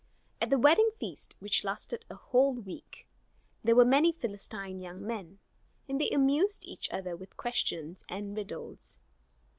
At the wedding feast, which lasted a whole week, there were many Philistine young men, and they amused each other with questions and riddles.